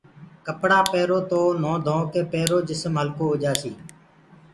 ڪپڙآ پيرو تو نوه ڌوڪي پيرو جسم هلڪو هوجآسي